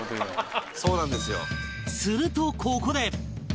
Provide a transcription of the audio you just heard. するとここで